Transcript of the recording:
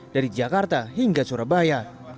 dari jakarta hingga surabaya